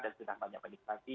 dan sudah banyak penikmati